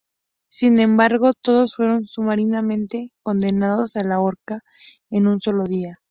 Sin embargo, todos fueron sumariamente condenados a la horca en un solo día.